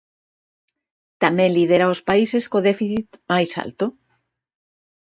Tamén lidera os países co déficit máis alto.